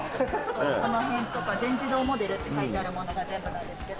この辺とか全自動モデルって書いてあるものが全部なんですけど。